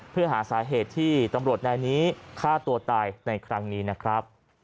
เพื่อหาสาเหตุที่ตำรวจนายนี้ฆ่าตัวตายในครั้งนี้นะครับ